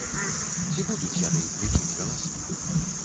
Ці будуць яны лічыць галасы?